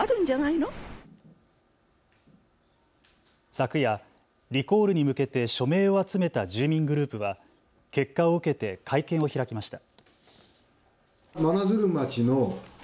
昨夜、リコールに向けて署名を集めた住民グループは結果を受けて会見を開きました。